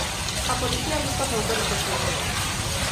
A policía busca os autores dos feitos.